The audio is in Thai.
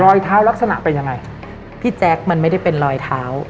รอยเท้าลักษณะเป็นยังไงพี่แจ๊คมันไม่ได้เป็นรอยเท้า